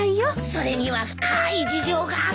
それには深い事情があって。